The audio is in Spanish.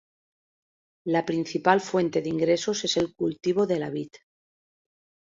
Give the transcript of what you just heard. La principal fuente de ingresos es el cultivo de la vid.